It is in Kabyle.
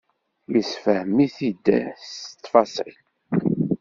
Yessefhem-it-id s ttfaṣil.